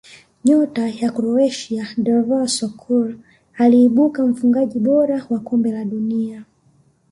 nyota wa croatia davor suker aliibuka mfungaji bora wa kombe la dunia